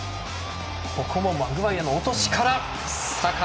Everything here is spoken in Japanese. ここもマグワイアの落としからサカ。